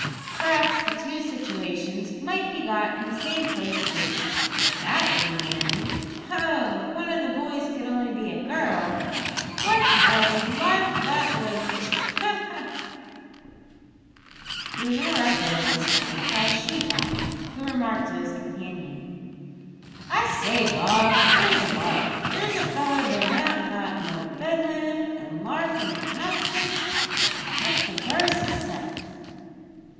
"P'raps the two situations might be got in the same place o' business; that would be handy! Oh! if one o' the boys could only be a girl, what a lark that would sk! ha! ha!" He was interrupted at this point by a shoe black, who remarked to his companion: "I say, Bob, 'ere's a lark. 'Ere's a feller bin an got out o' Bedlam, a larfin' at nothink fit to burst hisself!"